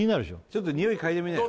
ちょっとにおいかいでみなよ